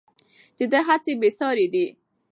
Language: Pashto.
د ده هڅې بې ساري دي.